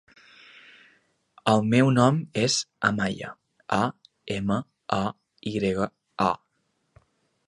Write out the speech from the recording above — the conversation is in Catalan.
El meu nom és Amaya: a, ema, a, i grega, a.